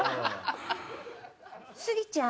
スギちゃん